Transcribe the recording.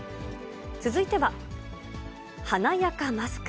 続いては、華やかマスク。